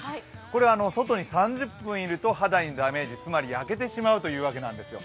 これは外に３０分いると、肌にダメージ、つまり焼けてしまうというわけなんですよ。